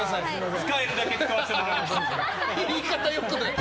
使えるだけ使わせてもらいますんで。